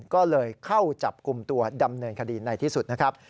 ก็เลยเข้าจับกลุ่มตัวดำเนินคดีในที่สุดนะครับ